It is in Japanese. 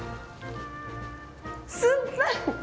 酸っぱい。